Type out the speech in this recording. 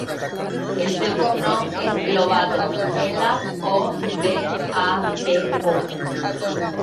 El seu cognom és Lobato: ela, o, be, a, te, o.